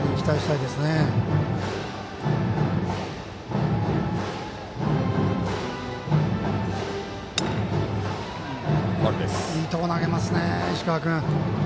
いいところに投げますね石川君。